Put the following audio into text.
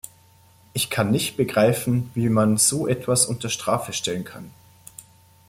Ich kann nicht begreifen, wie man so etwas unter Strafe stellen kann.